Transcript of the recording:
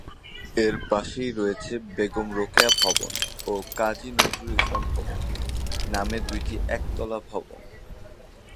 এর পাশেই রয়েছে "বেগম রোকেয়া ভবন" ও "কাজী নজরুল ইসলাম ভবন" নামে দুইটি একতলা ভবন।